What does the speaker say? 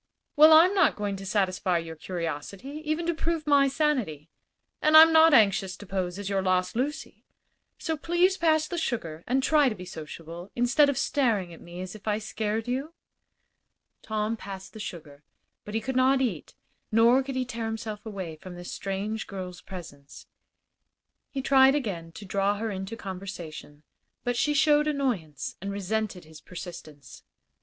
"Well, I'm not going to satisfy your curiosity, even to prove my sanity; and I'm not anxious to pose as your lost Lucy. So please pass the sugar and try to be sociable, instead of staring at me as if I scared you." Tom passed the sugar, but he could not eat, nor could he tear himself away from this strange girl's presence. He tried again to draw her into conversation, but she showed annoyance and resented his persistence.